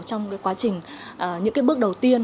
trong quá trình những bước đầu tiên